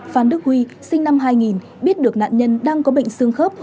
phan đức huy sinh năm hai nghìn biết được nạn nhân đang có bệnh xương khớp